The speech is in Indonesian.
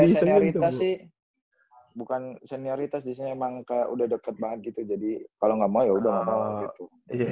bukan senioritas sih bukan senioritas bukan senioritas emang udah deket banget gitu jadi kalau ga mau ya udah ga mau gitu